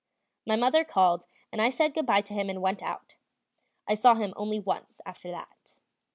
My mother called, and I said good bye to him and went out. I saw him only once after that.